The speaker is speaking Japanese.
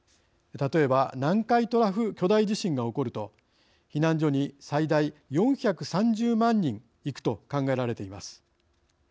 例えば南海トラフ巨大地震が起こると避難所に最大４３０万人行くと考えられています。